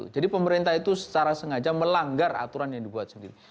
jadi pemerintah itu secara sengaja melanggar aturan yang dibuat sendiri